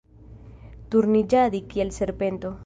Turniĝadi kiel serpento.